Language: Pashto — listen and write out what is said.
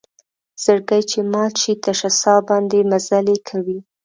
زړګۍ چې مات شي تشه سا باندې مزلې کوي